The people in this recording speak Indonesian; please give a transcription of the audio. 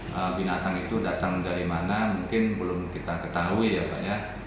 nah binatang itu datang dari mana mungkin belum kita ketahui ya pak ya